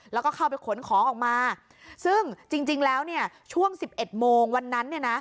แล้วก็เข้าไปขนของออกมาซึ่งจริงแล้วช่วง๑๑โมงวันนั้น